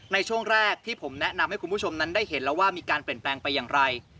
ในช่วงแรกที่ผมแนะนำให้คุณผู้ชมนั้นได้เห็นแล้วว่ามีการเปลี่ยนแปลงไปอย่างไร